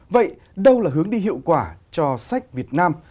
vậy đâu là hướng đi hiệu quả cho sách việt nam